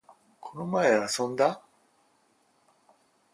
この前、遊んだ